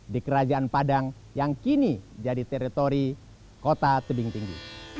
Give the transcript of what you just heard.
di kerajaan padang yang kini jadi teritori kota tebing tinggi